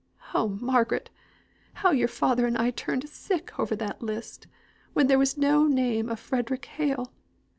Oh, Margaret! how your father and I turned sick over that list, when there was no name of Frederick Hale.